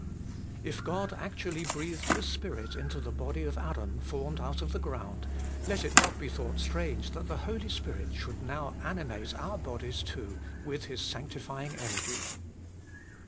4. If God actually breathed His Spirit into the body of Adam formed out of the ground, let it not be thought strange that the Holy Spirit should now animate our bodies too with His sanctifying energy.